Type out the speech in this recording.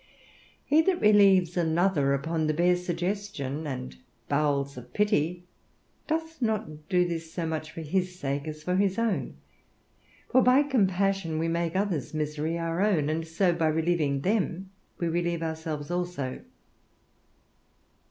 He that relieves another upon the bare suggestion and bowels of pity doth not this so much for his sake as for his own; for by compassion we make others' misery our own, and so, by relieving them, we relieve ourselves also.